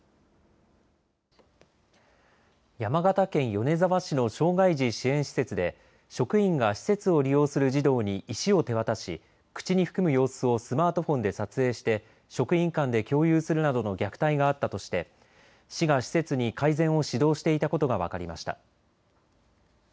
山形県米沢市の障害児支援施設で職員が施設を利用する児童に石を手渡し口に含む様子をスマートフォンで撮影して職員間で共有するなどの虐待があったとして市が施設に改善を指導していたことが分かりました。